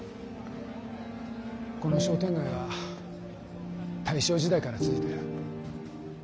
この商店街は大正時代から続いてる。